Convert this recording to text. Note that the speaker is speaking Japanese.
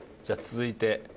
じゃあ続いて。